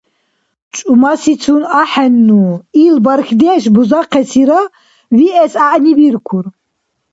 ЧӀумасицун ахӀенну, ил бархьдеш бузахъесира виэс гӀягӀнибиркур.